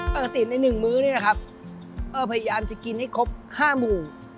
ปกติใน๑มื้อนี่นะครับพยายามจะกินให้ครบ๕หมู่